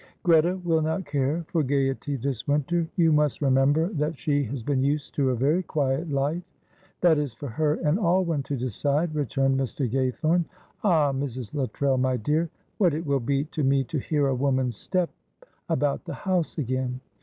"Greta will not care for gaiety this winter. You must remember that she has been used to a very quiet life." "That is for her and Alwyn to decide," returned Mr. Gaythorne. "Ah, Mrs. Luttrell, my dear, what it will be to me to hear a woman's step about the house again.